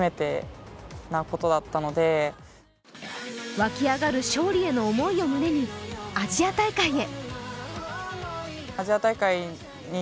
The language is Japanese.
わき上がる勝利への思いを胸にアジア大会へ。